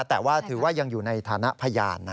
แต่ว่าถือว่ายังอยู่ในฐานะพยาน